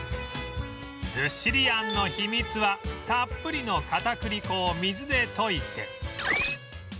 ずっしり餡の秘密はたっぷりの片栗粉を水で溶いて